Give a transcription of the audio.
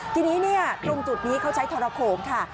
ทีนี้ตรงจุดนี้เขาใช้ทรโขงค่ะ